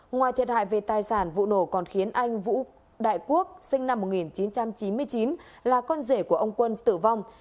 ngoài thiệt hại về tài sản vụ nổ còn khiến anh vũ đại quốc sinh năm một nghìn chín trăm chín mươi chín là con rể của ông quân tử vong